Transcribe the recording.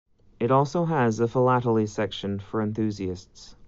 It also has a philately section for enthusiasts.